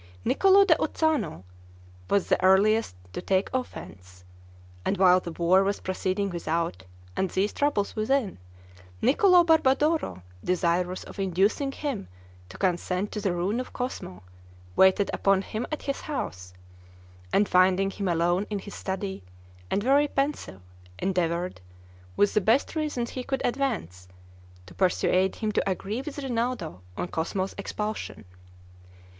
Niccolo da Uzzano was the earliest to take offense; and while the war was proceeding without, and these troubles within, Niccolo Barbadoro desirous of inducing him to consent to the ruin of Cosmo, waited upon him at his house; and finding him alone in his study, and very pensive, endeavored, with the best reasons he could advance, to persuade him to agree with Rinaldo on Cosmo's expulsion.